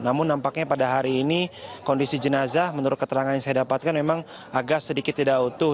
namun nampaknya pada hari ini kondisi jenazah menurut keterangan yang saya dapatkan memang agak sedikit tidak utuh